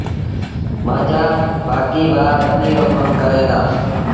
مآݩجآ بآڪيٚݩ ڀآ ٻنيٚ رو ڪم ڪريݩ دآ۔